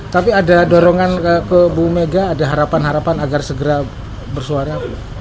tapi ada dorongan ke bu mega ada harapan harapan agar segera bersuara